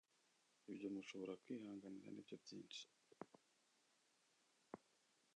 Ibyo mushobora kwihanganira nibyo binshi